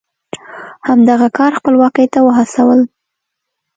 همدغه کار خپلواکۍ ته وهڅول.